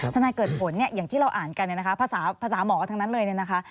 ถ้านายเกิดผลอย่างที่เราอ่านกันนะคะภาษาหมอทั้งนั้นเลยนะคะ